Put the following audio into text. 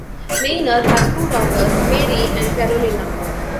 Mainer has two daughters, Marie and Karolina.